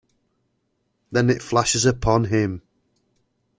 Then it flashes upon him.